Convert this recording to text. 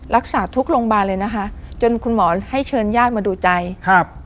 รักษาทุกโรงพยาบาลเลยนะคะจนคุณหมอให้เชิญญาติมาดูใจครับ